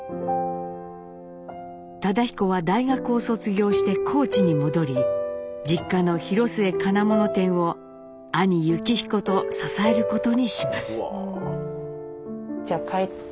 忠彦は大学を卒業して高知に戻り実家の広末金物店を兄幸彦と支えることにします。